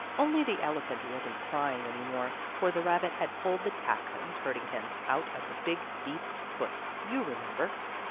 Only the elephant wasn't crying any more, for the rabbit had pulled the tack that was hurting him, out of the big beast's foot, you remember.